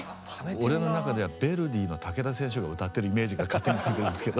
俺の中ではヴェルディの武田選手が歌ってるイメージが勝手についてるんですけど。